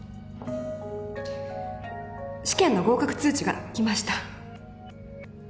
試験の合格通知が来ました。